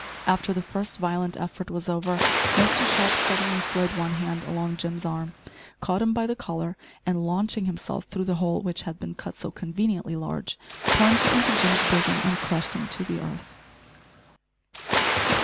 After the first violent effort was over, Mr Sharp suddenly slid one hand along Jim's arm, caught him by the collar, and, launching himself through the hole which had been cut so conveniently large, plunged into Jim's bosom and crushed him to the earth.